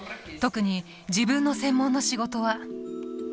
特に自分の専門の仕事は。